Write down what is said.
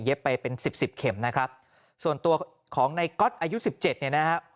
เย็บไปเป็นสิบสิบเข็มนะครับส่วนตัวของในก๊อตอายุ๑๗เนี่ยนะครับ